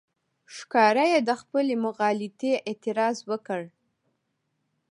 ښکاره یې د خپلې مغالطې اعتراف وکړ.